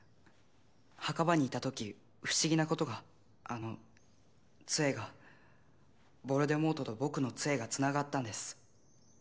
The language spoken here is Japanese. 墓場にいた時不思議なことがあの杖がヴォルデモートと僕の杖がつながったんです